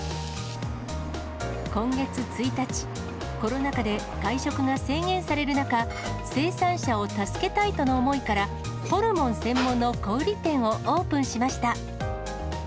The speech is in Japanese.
今月１日、コロナ禍で外食が制限される中、生産者を助けたいとの思いから、ホルモン専門の小売り店をオープンしました。